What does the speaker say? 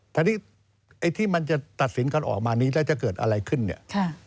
ทีนี้ไอ้ที่มันจะตัดสินกันออกมานี้แล้วจะเกิดอะไรขึ้นเนี่ย